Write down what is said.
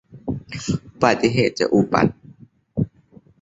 อุบัติเหตุจะอุบัติ